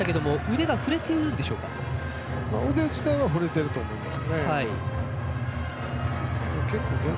腕自体は振れていると思います。